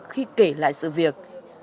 khi kể lại sự việc